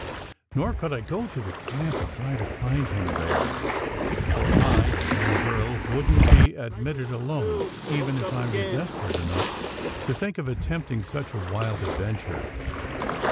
Nor could I go to the camp and try to find him there, for I a young girl wouldn t be admitted alone even if I were desperate enough to think of attempting such a wild adventure.